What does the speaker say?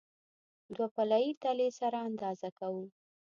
دوه پله یي تلې سره اندازه کوو.